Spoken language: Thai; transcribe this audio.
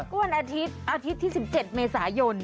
วันอาทิตย์อาทิตย์ที่๑๗เมษายน